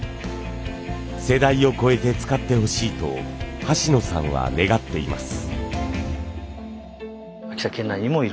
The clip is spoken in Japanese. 世代を超えて使ってほしいと橋野さんは願っています。